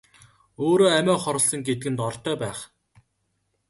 Өөрөө амиа хорлосон гэдэг нь ортой байх.